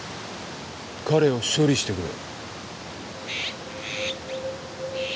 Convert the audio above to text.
彼を処理してくれ。